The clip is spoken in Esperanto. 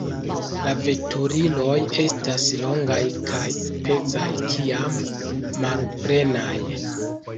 La veturiloj estas longaj, kaj pezaj kiam malplenaj.